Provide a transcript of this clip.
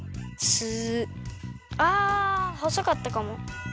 あほそかったかも。